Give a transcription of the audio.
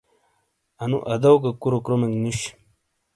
انو ادو گہ کُورو کرومیک نُش۔